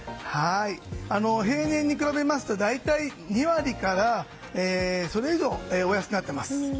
平年に比べますと大体２割から、それ以上お安くなっています。